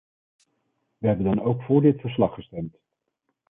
We hebben dan ook voor dit verslag gestemd.